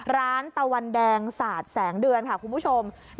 ตะวันแดงสาดแสงเดือนค่ะคุณผู้ชม